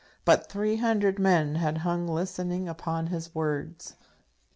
But three hundred men had hung listening upon his words.